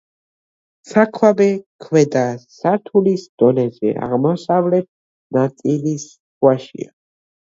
საქვაბე ქვედა სართულის დონეზე, აღმოსავლეთ ნაწილის შუაშია.